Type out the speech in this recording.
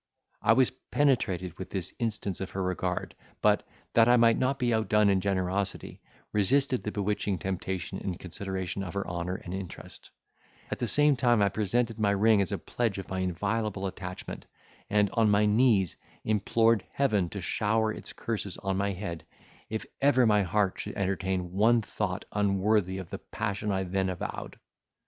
I was penetrated with this instance of her regard, but, that I might not be outdone in generosity, resisted the bewitching temptation in consideration of her honour and interest; at the same time I presented my ring as a pledge of my inviolable attachment, and, on my knees, implored Heaven to shower its curses on my head, if ever my heart should entertain one thought unworthy of the passion I then avowed.